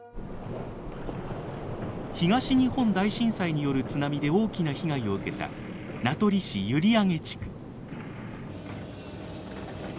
東日本大震災による津波で大きな被害を受けた名取市閖上地区。